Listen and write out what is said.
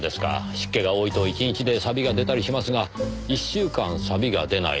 湿気が多いと１日でサビが出たりしますが１週間サビが出ない。